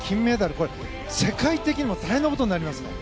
これ、世界的にも大変なことになりますね。